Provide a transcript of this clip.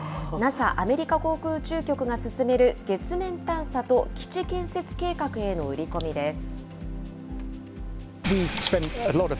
ＮＡＳＡ・アメリカ航空宇宙局が進める月面探査と基地建設計画への売り込みです。